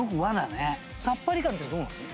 さっぱり感ってどうなの？